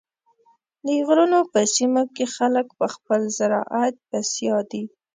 د غرونو په سیمو کې خلک په خپل زراعت بسیا دي.